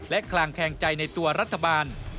และคลางแคงใจในตัวรัฐบาล